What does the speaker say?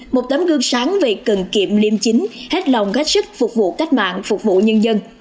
một tấm gương sáng về cần kiệm liêm chính hết lòng hết sức phục vụ cách mạng phục vụ nhân dân